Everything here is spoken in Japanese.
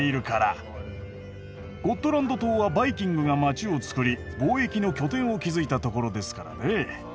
ゴットランド島はバイキングが街をつくり貿易の拠点を築いたところですからねぇ。